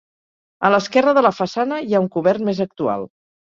A l'esquerra de la façana hi ha un cobert més actual.